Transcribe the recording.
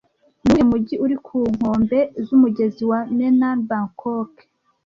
Ni uwuhe mujyi uri ku nkombe z'umugezi wa Menam Bangkok